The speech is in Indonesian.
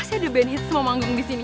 pasti ada band hits sama manggung di sini